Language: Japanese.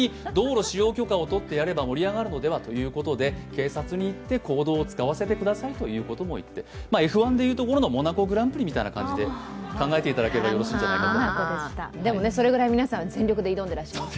警察に行って行動を使わせてくださいということを言ってＦ１で言うところのモナコグランプリと考えていただければいいんじゃないかと。